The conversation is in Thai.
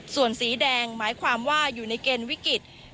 ส่วนสีแดงหมายความว่าอยู่ในเกณฑ์วิกฤต